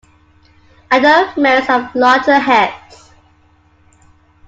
Adult males have larger heads.